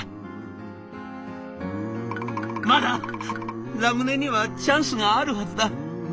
「まだラムネにはチャンスがあるはずだ。